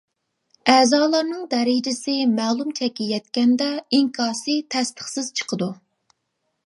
ئەزالارنىڭ دەرىجىسى مەلۇم چەككە يەتكەندە ئىنكاسى تەستىقسىز چىقىدۇ.